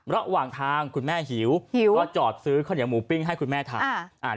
ระหว่างทางคุณแม่หิวหิวก็จอดซื้อข้าวเหนียวหมูปิ้งให้คุณแม่ทาน